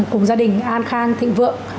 cùng gia đình an khang thịnh vượng